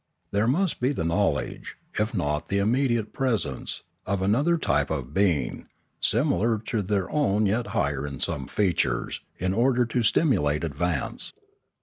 There must be the knowledge, if not the immediate presence, of another type of being, similar to their own yet higher in some features, in order to stimulate advance.